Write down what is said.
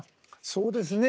そうですね。